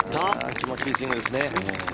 気持ちいいスイングですね。